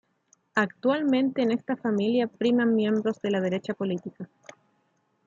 Actualmente en esta familia priman miembros de la derecha política.